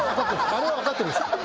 あれは分かってるんですか？